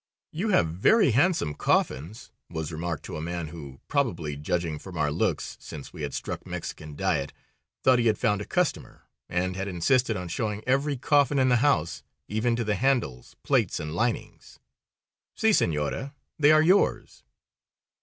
"You have very handsome coffins," was remarked to a man who, probably judging from our looks since we had struck Mexican diet, thought he had found a customer, and had insisted on showing every coffin in the house, even to the handles, plates, and linings. "Si, senorita, they are yours."